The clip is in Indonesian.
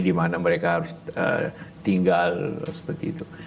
di mana mereka harus tinggal seperti itu